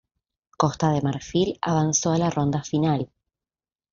Costa de Marfil avanzó a la ronda final.